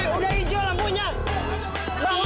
udah legislative suatu hari